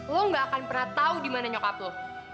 lo gak akan pernah tahu dimana nyokap lo